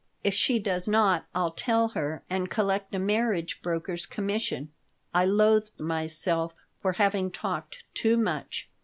If she does not, I'll tell her and collect a marriage broker's commission." I loathed myself for having talked too much.